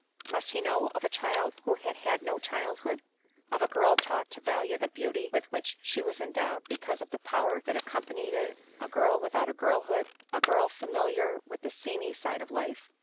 Must he know of a child who had had no childhood? Of a girl taught to value the beauty with which she was endowed because of the power that ac companied it a girl without a girlhood a girl familiar with the seamy side of life?